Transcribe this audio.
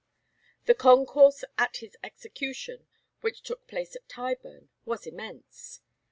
The concourse at his execution, which took place at Tyburn, was immense.